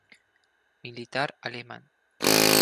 Militar alemán.